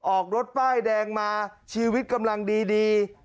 ออกรถป้ายแดงมาชีวิตกำลังดี